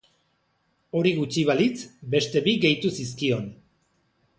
Hori gutxi balitz, beste bi gehitu zizkion.